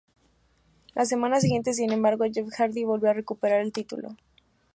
La semana siguiente, sin embargo, Jeff Hardy volvió a recuperar el título.